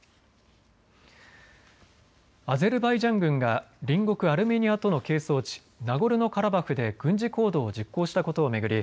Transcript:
アゼルバイジャン軍が隣国アルメニアとの係争地、ナゴルノカラバフで軍事行動を実行したことを巡り